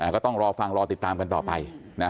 ก็ต้องรอฟังรอติดตามกันต่อไป